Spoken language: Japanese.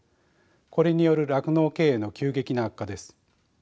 これによる酪農経営の急激な悪化です。